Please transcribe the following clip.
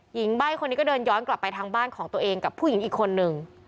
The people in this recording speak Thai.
ใบ้คนนี้ก็เดินย้อนกลับไปทางบ้านของตัวเองกับผู้หญิงอีกคนนึง